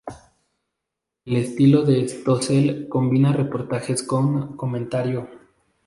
El estilo de Stossel combina reportajes con comentario.